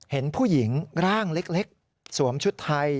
เห็นผู้หญิงร่างเล็กสวมชุดไทย